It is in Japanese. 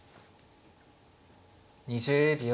２０秒。